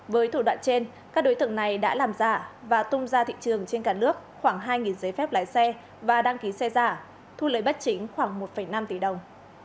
với thủ đoạn trên các đối tượng này đã làm giả và tung ra thị trường trên cả nước khoảng hai giấy phép lái xe và đăng ký xe giả thu lời bất chính khoảng một năm tỷ đồng